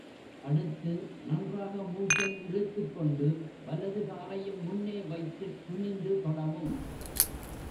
அடுத்து, நன்றாக மூச்சை இழுத்துக் கொண்டு, வலது காலையும் முன்னே வைத்துக் குனிந்து தொடவும்.